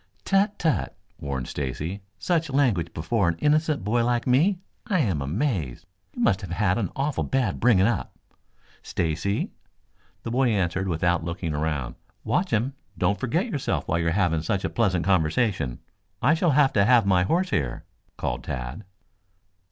"Tut, tut!" warned Stacy. "Such language before an innocent boy like me? I am amazed. You must have had an awful bad bringing up." "Stacy!" The boy answered without looking around. "Watch him. Don't forget yourself while you are having such a pleasant conversation. I shall have to have my horse here," called Tad.